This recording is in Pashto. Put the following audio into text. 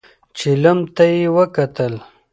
چيلم ته يې وکتل.